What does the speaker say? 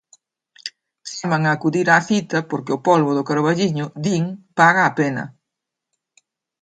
Chaman a acudir á cita porque o polbo do Carballiño, din, paga a pena.